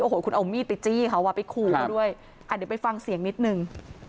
โอ้โหคุณเอามีดไปจี้เขาอ่ะไปขู่เขาด้วยอ่ะเดี๋ยวไปฟังเสียงนิดนึง